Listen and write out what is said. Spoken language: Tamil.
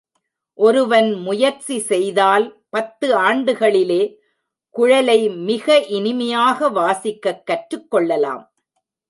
ஒருவன் முயற்சி செய்தால் பத்து ஆண்டுகளிலே குழலை மிக இனிமையாக வாசிக்கக் கற்றுக் கொள்ளலாம்.